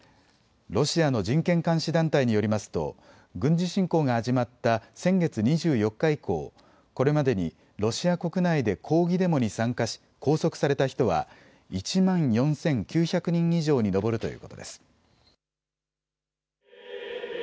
ロシアの人権監視団体によりますと軍事侵攻が始まった先月２４日以降、これまでにロシア国内で抗議デモに参加し拘束された人は１万４９００人以上に上るということです。